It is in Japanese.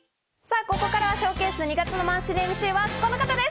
ここからはＳＨＯＷＣＡＳＥ、２月のマンスリーＭＣはこの方です。